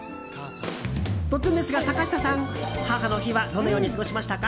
突然ですが、坂下さん母の日はどのように過ごしましたか？